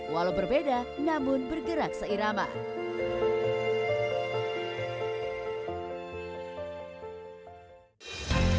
walau berbeda namun bergerak seirama